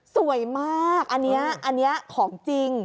สวยมากอันนี้ของจริง